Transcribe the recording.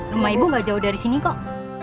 rumah ibu gak jauh dari sini kok